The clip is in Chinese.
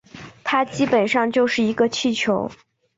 它基本上就是一个气球